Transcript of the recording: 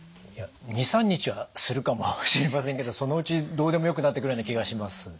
２３日はするかもしれませんけどそのうちどうでもよくなってくるような気がします。